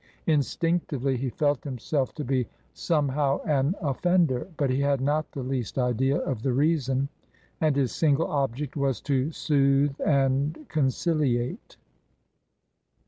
Instinctively he felt him u it 240 TRANSITION. self to be somehow an ofTender, but he had not the least idea of the reason, and his single object was to soothe and conciliate.